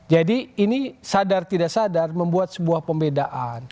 jadi ini sadar tidak sadar membuat sebuah pembedaan